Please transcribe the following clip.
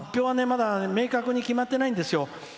明確に決まってないんですよ。